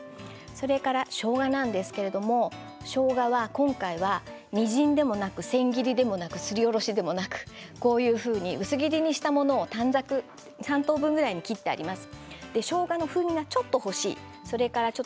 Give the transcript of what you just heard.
それからしょうがなんですけれどもしょうがは今回はみじんでもなく千切りでもなくすりおろしでもなく薄切りにしたもの、短冊に３等分ぐらいに切ってあります。